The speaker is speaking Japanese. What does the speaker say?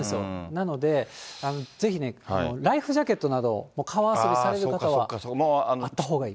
なので、ぜひね、ライフジャケットなどを川遊びされる方は、あったほうがいい。